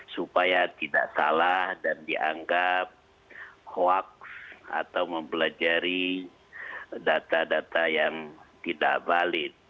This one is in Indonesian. supaya tidak salah dan dianggap hoaks atau mempelajari data data yang tidak valid